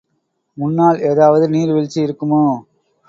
முன்னால் ஏதாவது நீர் வீழ்ச்சி இருக்குமோ?